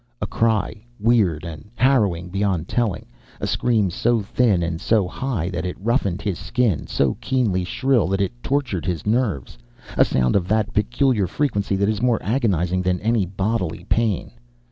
A cry, weird and harrowing beyond telling. A scream so thin and so high that it roughened his skin, so keenly shrill that it tortured his nerves; a sound of that peculiar frequency that is more agonizing than any bodily pain.